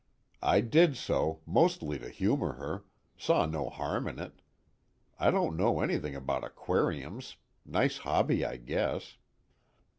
I did so, mostly to humor her, saw no harm in it I don't know anything about aquariums, nice hobby I guess.